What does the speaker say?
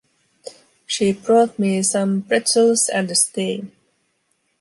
She brought me some pretzels and a stein.